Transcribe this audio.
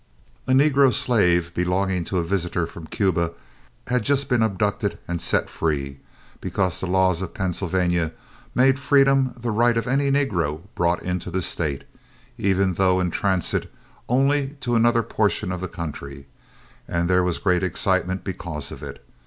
A negro slave belonging to a visitor from Cuba had just been abducted and set free, because the laws of Pennsylvania made freedom the right of any negro brought into the state, even though in transit only to another portion of the country, and there was great excitement because of it.